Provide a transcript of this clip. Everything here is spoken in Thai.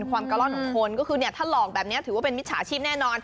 มันความกะล้อนของคนก็คือถ้าลองแบบนี้ถือว่าเป็นมิตรสาชีพแน่นอน